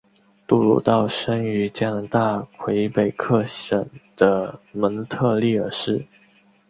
杜鲁道生于加拿大魁北克省的蒙特利尔市。